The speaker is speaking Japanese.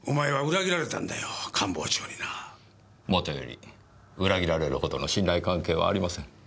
もとより裏切られるほどの信頼関係はありません。